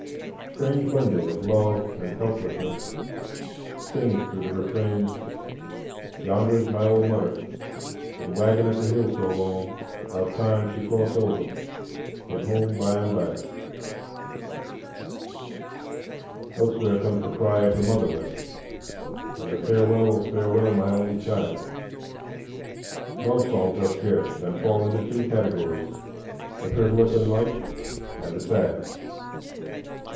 Strange blending of love and helplessness sings through the refrain: "Yonder's my ole mudder, Been waggin' at de hill so long; 'Bout time she cross over, Git home bime by." Elsewhere comes the cry of the "motherless" and the "Farewell, farewell, my only child." Love songs are scarce and fall into two categories—the frivolous and light, and the sad.